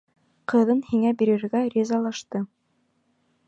Ҡыҙын һиңә бирергә ризалашты.